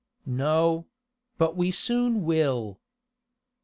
"No; but we soon will."